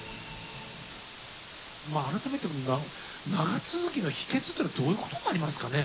改めて長続きの秘けつというのはどういうことになりますかね？